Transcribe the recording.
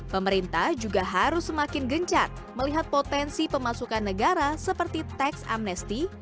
pemerintah juga harus semakin gencat melihat potensi pemasukan negara seperti tax amnesty